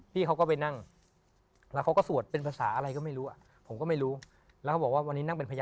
ที่เหล็กกว่านี้หน่อย